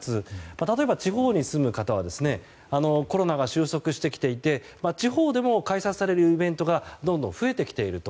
例えば地方に住む方はコロナが収束してきていて地方でも開催されるイベントがどんどん増えてきていると。